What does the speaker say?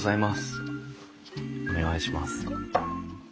お願いします。